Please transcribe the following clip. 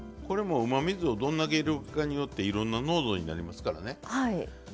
これもうまみ酢をどんだけ入れるかによっていろんな濃度になりますからね。